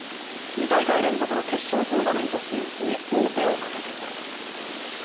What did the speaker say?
２大会連続の決勝トーナメント進出に王手をかけています。